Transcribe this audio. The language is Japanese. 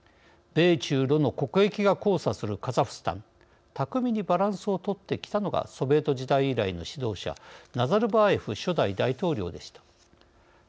米中ロの国益が交差するカザフスタン巧みにバランスを取ってきたのがソビエト時代以来の指導者ナザルバーエフ初代大統領でした。